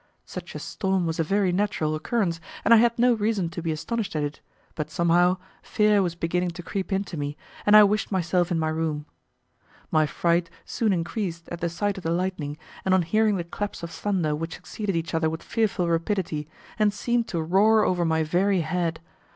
Such a storm was a very natural occurrence, and I had no reason to be astonished at it, but somehow, fear was beginning to creep into me, and I wished myself in my room. My fright soon increased at the sight of the lightning, and on hearing the claps of thunder which succeeded each other with fearful rapidity and seemed to roar over my very head.